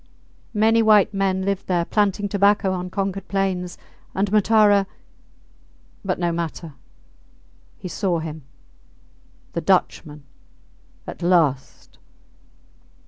Many white men lived there, planting tobacco on conquered plains, and Matara ... But no matter. He saw him! ... The Dutchman! ... At last!